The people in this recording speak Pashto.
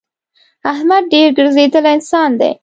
احمد ډېر ګرځېدلی انسان دی.